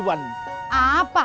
aku lagi di nes lapangan